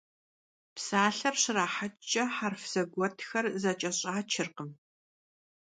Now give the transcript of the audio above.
Psalher şraheç'ç'e herf zeguetxer zeç'eraçırkhım.